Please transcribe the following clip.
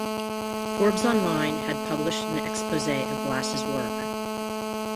"Forbes Online" had published an expose of Glass' work.